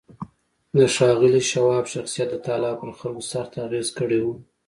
د ښاغلي شواب شخصيت د تالار پر خلکو سخت اغېز کړی و.